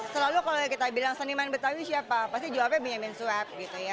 selalu kalau kita bilang seniman betawi siapa pasti jawabnya benjamin swep